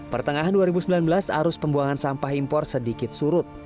pertengahan dua ribu sembilan belas arus pembuangan sampah impor sedikit surut